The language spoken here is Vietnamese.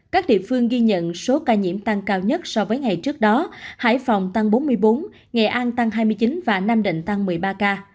các địa phương ghi nhận số ca nhiễm tăng cao nhất so với ngày trước đó hải phòng tăng bốn mươi bốn nghệ an tăng hai mươi chín và nam định tăng một mươi ba ca